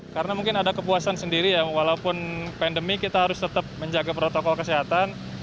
karena mungkin ada kepuasan sendiri ya walaupun pandemi kita harus tetap menjaga protokol kesehatan